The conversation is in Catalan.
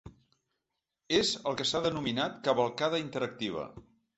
És el que s’ha denominat cavalcada interactiva.